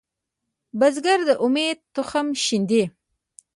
بزګر د امید تخم شیندي